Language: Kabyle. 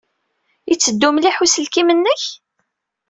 Yetteddu mliḥ uselkim-nnek?